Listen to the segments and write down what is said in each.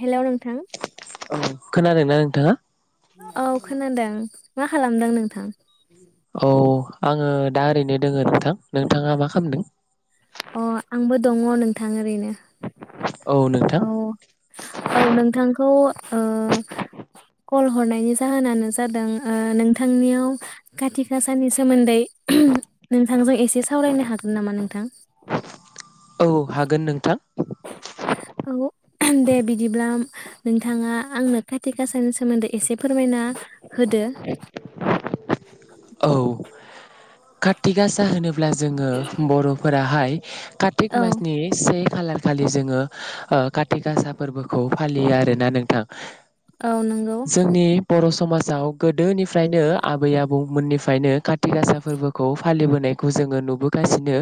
Hello नोंथां औ खोनादोंना नोंथाङा औ खोनादों मा खालामदों नोंथां? औ आंङो दा ओरैनो दोङो नोंथां, नोंथाङा मा खालामदों? अ आंबो दङ नोंथां ओरैनो। [inaudible] औ औ नोंथांखौ ओ कल हरनायनि जाहोनानो जादों ओ नोंथांनियाव कातिक आसानि सोमोन्दै नोंथांजों एसे सावरायनो हागोन नामा नोंथां? औ हागोन नोंथां औ दे बिदिब्ला नोंथाङा आंनो खाति गासानि सोमोन्दै एसे फोरमायना होदो औ कार्तिक आसा होनोब्ला जोङो बर'फोरा हाय कार्तिक औ मासनि से खालार खालि जोङो ओ कार्तिक आसा फोरबोखौ फालियो आरोना नोंथां। औ नंगौ जोंनि बर' समाज जाव गोदोनिफ्रायनो आबै आबौ मोननिफ्रायनो काति गासा फोरबोखौ फालिबोनायखौ जोङो नुबोगासिनो।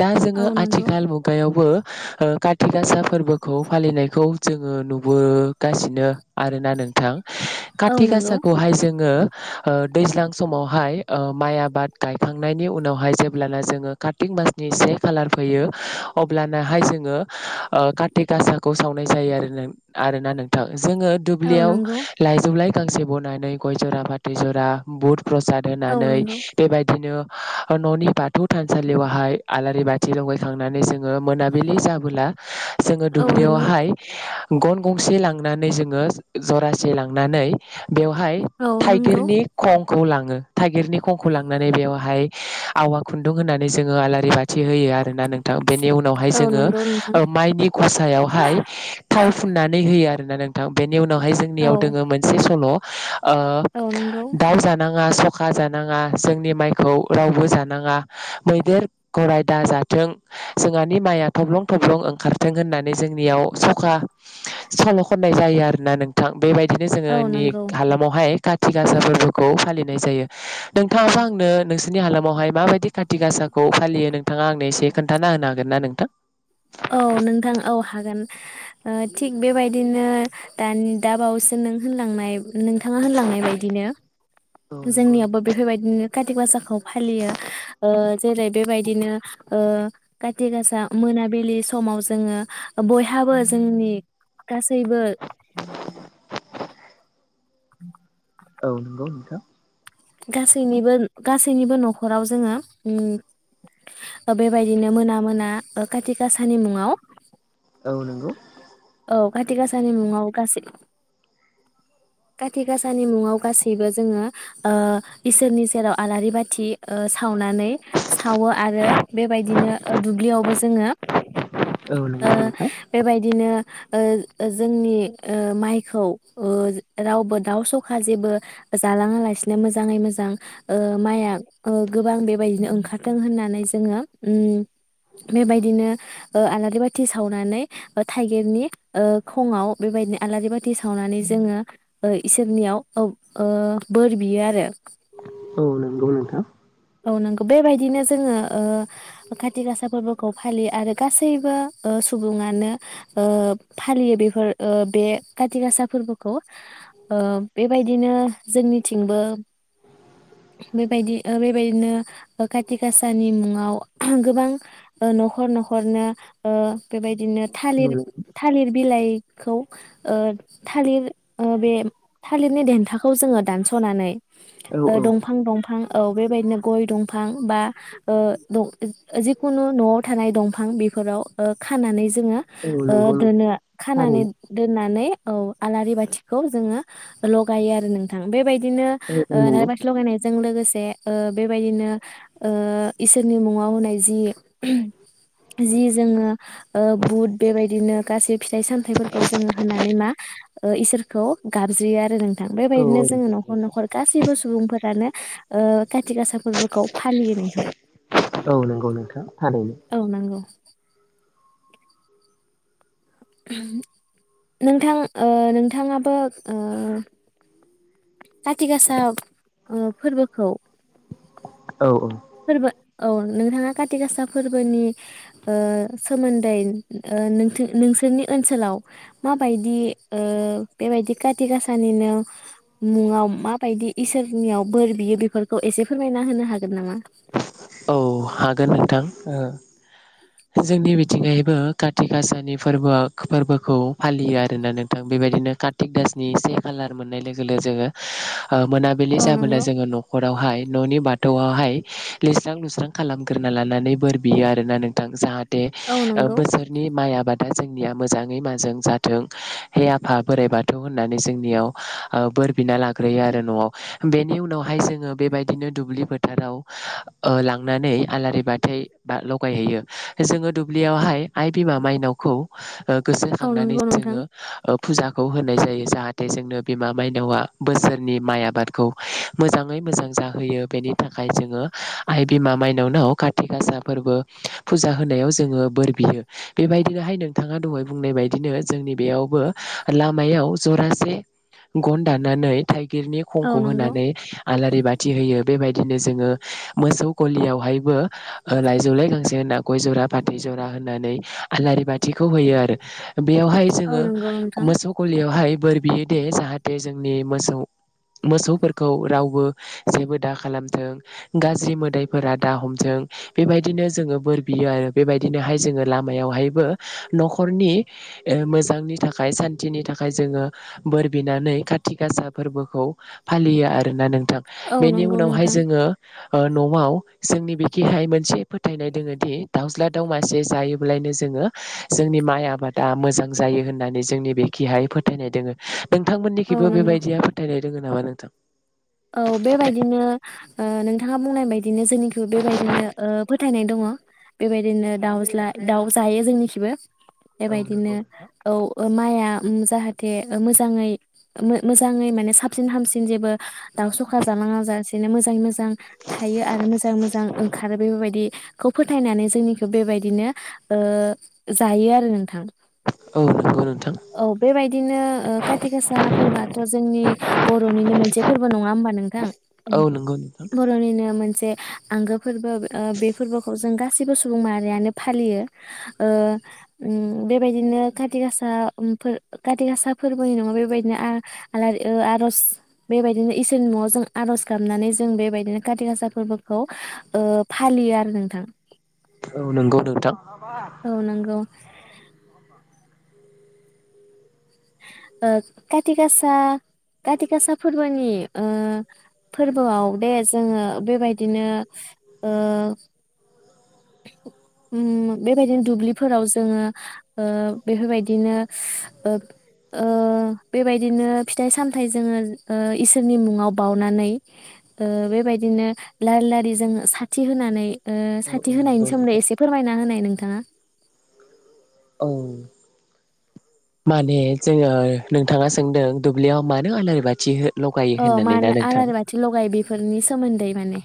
दा औ जोङो नंगौ आथिखाल मुगायावबो ओ कारति गासा फोरबोखौ फालिनायखौ जोङो नुबोगासिनो आरोना नोंथां औ कातिक नंगौ आसाखौहाय जोङो ओ दैज्लां समावहाय ओ माइ आबाद गायखांनायनि उनावहाय जेब्लाना जोङो काटिक मासनि से खालार फैयो अब्लानाहाय जोङो काटि गासाखौ सावनाय जायो आरो नों आरोना नोंथां। जोङो औ दुब्लियाव नंगौ लाायजौलाइ गांसे बनानै गय जरा फाथै जरा बुथ प्रसाद औ होनानै नंगौ बेबायदिनो न'नि बाथौ थानसालियावहाय आलारि बाथि लगायखां माने जोङो मोनाबिलि जाबोला जोङो औ नंगौ दुब्लियावहाय गन गंसे लां नानै जोङो जरासे लांनानै, बेवहाय औ नंगौ थाइगिरनि खं, खौ लाङो। थाइगिरनि खंखौ लांनानै बेवहाय, आवा खुन्दुं होननानै जोङो आलारि बाथि, होयो आरो ना नोंथां, बेनि उनावहाय औ जोङो नंगौ नोंथां ओ माइनि गसायावहाय थाव फुननानै होयो आरो ना नों थांफिन बेनि उनावहाय जोंनियाव औ दोङो मोनसे सल' ओ औ नंगौ दाउ जा सखा जानाङा, जोंनि माइखौ रावबो जानाङा, मैदेर -गराय दााजाथों, जोंहानि माइया थब्लं थब्लं ओंखारथों होननानै जोंनियाव सखा सल खननाय जायो आरोना नोंथां। बेबायदिनो औ जोंहानि नंगौ हालामावहाय। खाथि गासा फोरबो खौ फालिनाय जायो। औ नोंथाङाबा आंनो नों नोंसोरनि हालामावहाय माबायदि खाथि गासाखौ फालियो नोंथाङा आंनो एसे खोन्थाना होनो हागोन ना नोंथां? औ नोंथां औ हागोन ओ थिग बेबायदिनो दानि दा बावैसो नों होनलांनाय नोंथाङा होनलांनाय बायदिनो औ नंगौ जोंनियावबो बेफोरबायदिनो, खाथि गासाखौ फालियो ओ- जेरै बेबायदिनो ओ- खाथि गासा मोनाबिलि मोनाबिलि समाव जोङो बयहाबो जोंनि गासैबो, [inaudible] औ नंगौ नोंथां। गासैनिबो, गासैनिबो नखराव जोङो उम बेबायदिनो मोना मोना खाति गाासानि मुङाव, औ नंगौ। औ खाथि गाासानि मुङाव गासै, खाथि गाासानि मुङाव गासैबो जोङो ओ- इसोरनि सेराव आलारि बाथि, ओ सावनानै सावो आरो बेबायदिनो ओ दुब्लियावबो जोङो औ ओ नंगौ नोंथां बेबायदिनो, ओ जोंनि ओ माइखौ ओ रावबो दाउ सखा जेबो जालाङालासिनो मोजाङै मो [unintelligible] ओ माइया गोबां बेबायदिनो ओंखार बुंहोनानै जोङो ओम- बेबादिनो ओ-आलारि बाथि सावनानै थाइगिर, थागिरनि खङआव बेबायदिनो आलारि बाथि सावनानै जोङो इसोरनियाव औ ओ बोर बियो आरो औ नंगौ नोंथां। औ नंगौ बेबायदिनो जोङो खाति गासा फोरबोखौ फालियो आरो गासैबो ओ सुबुङानो ओ फालियो बेफोर ओ बे काति गासा फोर्बोखौ ओ बेबायदिनो जोंनिथिंबो बेबायदि बेबायदिनो खाथि खासानि मुङाव गोबां ओ नखर नखरनो ओ बेबाय बिदिनो थालिर औ थालिर बिलाइखौ ओ थालिर ओ बे थालिरनि देथाखौ जोङो दानस'नानै औ ओ औ दंफां दंफां औ बेबायदिनो गय दंफां बा ओ द जिखुनु न'आव थानाय दंफां बेफोराव ओ खानानै जा जोङो औ ओ नंगौ नोंथां दोनो खानानै थारैनो दोननानै औ आलारि बाथिखौ जोङो लगायो आरो नोंथां बेबाय दिनो ओ [unintelligible] लगायनायजों लोगोसे ओ बेबायदिनो ओ इसोरनि मुङाव होनाय जि जि जोङो ओ बुद बेबायदिनो गाजि फिथाइ सामथायाइफोरखौ जोङो होनानै मा ओ इसोरखौ गाबज्रियो आरो जों थां औ बेबायदिनो जोङो नखर नखर गासिबो स फोरानो ओ काथि गासा फोरबोखौ फालियो नोंथां औ थारैनो औ नांगौ। नोंथां ओ नोंथाङाबो ओ काति गासा ओ फोर्बोखौ औ औ। फोरबो औ नोंथाङा काथि गासा फोरबोनि ओ सोमोन्दै नोंथ-नोंसोरनि ओनसोलाव माबायदि ओ बेबायदि काति गासानिनो मुङाव माबायदि इसोरनियाव बोर बियो बेफोरखौ एसे फोरमायना होनो हागोन नामा? औ हागोन नोंथां ओ जोंनि बिथिंआयबो काति गासानि फोर्बोआ फोर्बोखौ फालियो आर दा नोंथां बेबायदिनो काथि [unintelligible] नि से खालार मोननाय लोगो लोगो जोङो हो मोनाबिलि औ जाबोला नंगौ। जोङो नखर बेवहाय न'नि बाथौआवहाय लिरस्रां लुस्रां खालामग्रोना लानानै बोर बियो आरोना नोंथां जाहाथ औ बे नंगौ बोसोरनि माइ [unintelligible] बादा जोंनिया मोजाङै मोजां जाथों हे आफा बोराइ बाथौ होननानै जोंनियाव ओ बोर बिना लाग्रोयो आरो न'आव बेनि उनावहाय जोङो बेबायदिनो दुब्लि फोथाराव ओ लांनानै आलारि बाथै लगायहैयो जोङो दुब्लियावहाय आइ बिमा माइनावखौ ओ औ गोसोखांनानै नंगौ नोंथां जोङो ओब फुजाखौ होनाय जायो जाहाथे जोंनो बिमा मायनावा बोसोरनि माइ आबादखौ मोजाङै मोजां जाहोयो बेनि थाखाय जों ङो आइ बिमा माइनावनाव काथि गासा फोरबो फुजा होनायाव जोङो बोर बियो बेबायदिनोहाय नोंथाङा दहाय बुंनाय बायदिनो जोंनि बेयावबो लामायाव जरासे गन दान्नानै थाइगिरनि औ खंखौ नंगौ होनानै आलारि बाथि होयो। बेबायदिनो जोङो मोसौ गलियावहायबो लाइजौलाय गांसे होनना गय जरा फाथै जरा होननानै आलारि बाथिखौ होयो आरो बेयावहाय औ जोङो नंगौ नोंथां मोसौ गलियावहाय बोर बियो। दे जाहाथे जोंनि मोसौ मोसौफोरखौ रावबो जेबो दाखालामथों गाज्रि मोदैफोरा दा हमदों बेबायदिनो जोङो बोर बियो आरो बेबायदिनोहाय जोङो लामायावहायबो गाज्रि मोन्थायफोरा दाहमथों बे बायदिनो जों बोर बियो आरो बेबादिनो जों लामायावहायबो नखरनि मोजांनि थाखाय सान्थिनि थाखाय जोङो बोर बिनानै खाथि गासा फोरबोखौ फालियो आरोना नों नोंथां थ' औ बेनि नंगौ उनावहाय नोंथां जोङो नआव जोंनि बिखिहाय मोनसे फोथायनाय दोङोदि नआव जोंनि बेखैहाय मोनसे फोथायनाय दोङो दि दाउज्ला दाउ मासे जायोबोला लायनो जोंनि माइ आबादा मोजां जायो होननानै जोंनि बिखिहाय फोथायनाय फोथायनाय दोङो। नोंथांमोननि औ खैबो नंगौ बेबायदिया फोथायनाय लोगो नामा नोंथां औ बे बायदिनो ओ नोंथाङा बुंनाय बायदिनो जोंनिखौबो बेबायदिनो ओ फोथायनाय दङ बेबायदिनो दावज्ला दाउ जायो जोंनिखिबो। बेबायदिनो औ माइआ उम जाहाथे ओ मोजाङै ओ मो-मोजाङै माने साबसिन हामसिन जेबो दाउ सखा जालाङा जाासेनो मोजाङै मोजां थायो आरो मोजाङै मोजां ओंखारो बेफोरबायदिखौ फोथायनानै जोंनिखौबो बेबायदिनो ओ जायो आरो नोंथां। औ नंगौ नोंथां औ बेबायदिनो खाथि गासा फोरबोआथ जोंनि बरनिनो मोनसे नङा होमबा नोंथां औ नंगौ नोंथां बर'नि मोनसे आंगो फोरबो ओ बे फोरबोखौ जों गासिबो सुबुं माहारियानो फालियो ओ उम बेबायदिनो खाथिगासा फोरबो खाथिआसा नङा बेबायदिनो आलारि ओ आरज बेबायदिनो इसोरनि नआव जों आरज गाबनानै जों बेबायदिनो खााति गासा फोरबोखौ फालियो आरो नोंथां। औ नंगौ नोंथां। औ नंगौ। ओ खाथिगासा खाथि गासा फोरबोनि ओ फोरबोआव दे जोङो बेबायदिनो ओ उम बेबायदिनो दुब्लिफोराव जोङो ओ बेफोरबायदिनो ओ बेबायदिनो फिथाइ सामथाइ जोङो ओ इसोरनि मुङाव बाउनानै ओ बेबायदिनो लारि लारि जोङो साथि होनानै ओ औ बिदि औ होनायनि नंगौ सोमोन्दै नोंथां एसे फोरमायना होनाय नोंथाङा औ माने जोङो नोंथाङा सोंदों दुब्लियाव मानो आलारि बाथि हो अ मानो आलारि बाथि लगायो बेफोरनि सोमोन्दै माने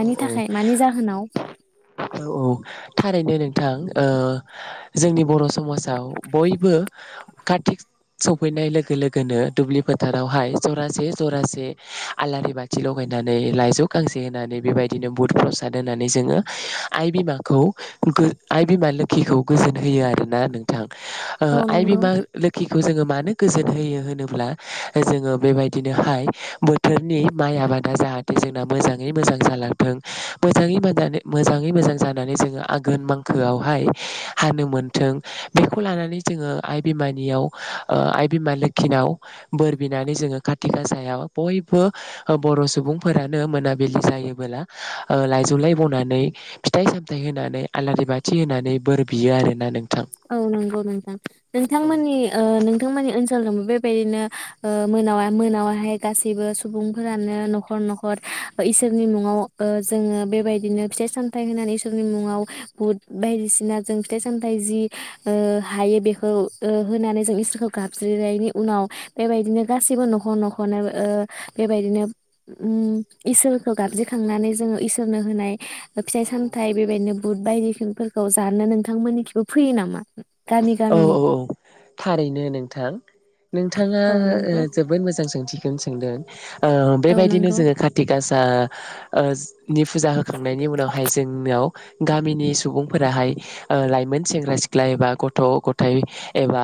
औ औ थाखाय मानि जाहोनाव औ औ थारैनो नोंथां ओ जोंनि बर' समाजाव बयबो कार्तिक सफैनाय लोगो लोगोनो दुब्लि फोथारावहाय जरासे जरासे आलारि बाथि लगायनानै लाइजौ गांसे होनानै बेबायदिनो बुद प्रसाद होनानै जोङो आइ बिमाखौ आइ बिमा लोखिखौ गोजोन होयो आरोना नोंथां। ओ औ आइ नंगौ बिमा लोखिखौ जोङो मानो गोजोन होयो होनोब्ला जोङो बेबायदिनो हाय बोथोरनि माइ आबादा जाहाथे जोंना मोजाङै मोजां जालांथों मोजै मोजां जानानै जोङो आघोन मांखोआवहाय हानो मोनथों बेखौ लानानै जोङो आइ बिमानियाव आइ बिमा लोखिनाव बोर बिनानै जोङो खाारथि गासायाव बयबो बर सुबुंफोरानो मोनाबिलि जायो। बोला ओ लाइजौलाय बनानै फिथाइ सामथायाइ होनानै आलारि बाथि होनानै बोर बियो आरोना नों औ नंगौ नोंथां नोंथांमोननि नोंथां मोननि ओनसो खुलुमो बेबायदिनो मोना मोनायावाहाय गासैबो सुबुंफोरानो न'खर न'खर इसोरनि मुङाव जोङो बेबायदिनो फिथाइ सामथाइ होनानै इसोरनि मुङाव बुद बायदिसिना जों फिथाइ सामथाय जि ओ हायो बेखौ ओ होनानै जों इसोरखौ गाबज्रिनायनि उनाव बेबायदिनो गासैबो न'खर न'खरनो ओ बेबायदिनो उम इसोरखौ गाबज्रिखांनानै जोङो इसोरनो होनाय ओ फिथाइ औ औ सामथाय बेबायदिनो बुट बायदिफोरखौ जानो नोंथांमोननि खि फैयो नामा? गामि औ गामिनि औ औ थारैनो नोंथां नोंथाङा औ ओ नंगौ जोबोद मोजां सोंथि दों सोंदों। ओ औ बेबायदिनो नंगौ जोङो खाथि गास। दा ओज। नि फुजा होखांनायनि उनावहाय जोंनियाव। गामिनि सुबुंफोराहाय ओ लाइमोन सेंग्रा सिख्ला एबा गथ'-गथाइ एबा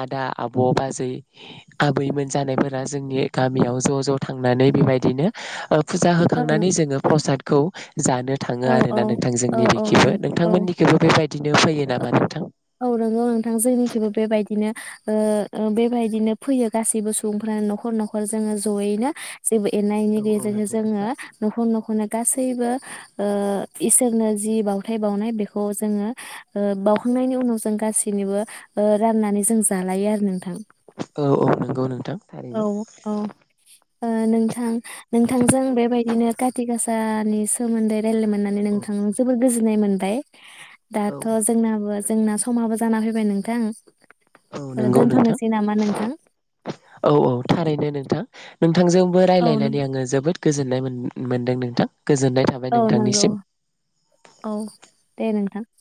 आदा, आब, बाजै, आबैमोन जानायफोरा जोंनि गामियाव ज' ज' थांनानै बिबायदिनो ओ फुजा औ होखांनानै नंगौ जोङो नोंथां प्रसादखौ जानो थाङो औ औ आरोना नोंथां औ जोंनि औ बिखिबो नों औ नोंथांमोननिखिबो बेबायद बिदिनो फैयो नामा नोंथां। औ नोंगौ नोंथां जोंनिखथबो बेबायदिनो ओ ओ बेबायदिनो फैयो गासैबो सुबुंफ्रानो नखर नखर जोङो जयैनो। जेबो एना एनि औ औ नंगौ गेजेरजों नोंथां। जोङो न'खर खना गासैबो ओ इसोरनो जि बावथाय बावनाय बेखौ जोङो ओ बावखांनायनि उन। उनाव जों गासैनिबो ओ राननानै जों जालायो आरो नोंथां। औ औ नोंगौ नोंथां। औ थारैनो औ ओ नोंथां नोंथांजों बेबायदिनो काति गासाआनि सोमोन्दै। रायलायनो मोननानै औ नोंथांनो औ जोबोर गोजोननाय मोन [unintelligible] दाथ औ जोंनाबो। जोंना समाबो जाना फैबाय नोंथां। औ ओ नंगौ नोंथां दोनथ'नोसै नामा नोंथां औ औ थारैनो नोंथां नों। नोंथांजोंबो औ नों रायलायनानै आङो जोबोद। गोजोननाय मोन मोनदों नोंथां। गोजोननाय थाबाय औ नोंगौ नोंथांनिसिम औ दे नोंथां। [inaudible]